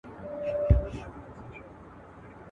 ننګیا لیه ټول فنا ، یو ‘حال’ بقا ده